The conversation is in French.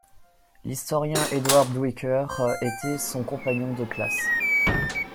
L'historien Edward Duyker était son compagnon de classe.